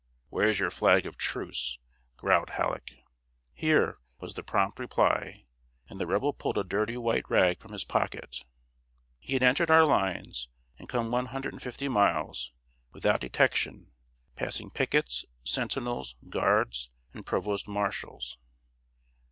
"Where's your flag of truce?" growled Halleck. "Here," was the prompt reply, and the Rebel pulled a dirty white rag from his pocket! He had entered our lines, and come one hundred and fifty miles, without detection, passing pickets, sentinels, guards, and provost marshals.